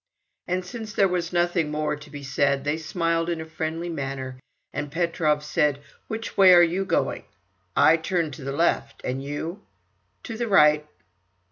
And since there was nothing more to be said, they smiled in a friendly manner, and Petrov said: "Which way are you going?" "I turn to the left. And you?" "I to the right."